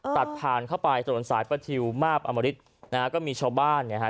ตัดผ่านเข้าไปถนนสายประทิวมาบอมริตนะฮะก็มีชาวบ้านเนี่ยฮะ